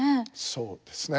そうですね。